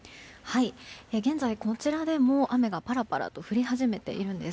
現在、こちらでも雨がパラパラと降り始めています。